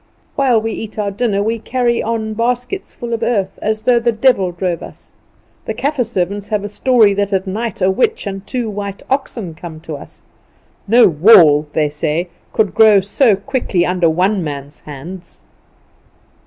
While we eat our dinner we carry on baskets full of earth, as though the devil drove us. The Kaffer servants have a story that at night a witch and two white oxen come to help us. No wall, they say, could grow so quickly under one man's hands.